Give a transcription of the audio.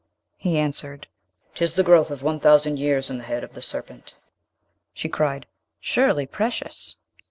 He answered, ''Tis the growth of one thousand years in the head of the serpent.' She cried, 'Surely precious?'